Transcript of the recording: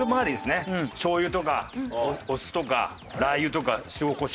しょう油とかお酢とかラー油とか塩・胡椒。